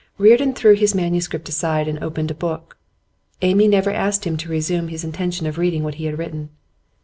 Reardon threw his manuscript aside and opened a book. Amy never asked him to resume his intention of reading what he had written.